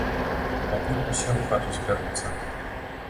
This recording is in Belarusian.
Пакуль усе ў хату збяруцца.